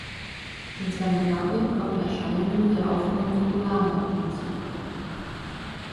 In Skandinavien kommen Erscheinungen der aufkommenden Polarnacht hinzu.